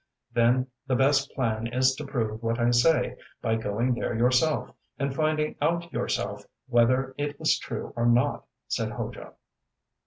ŌĆØ ŌĆ£Then the best plan is to prove what I say, by going there yourself and finding out yourself whether it is true or not, ŌĆØ said Hojo.